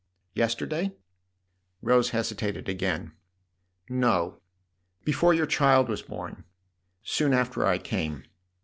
"Yester day?" Rose hesitated again. "No; before your child was born. Soon after I came."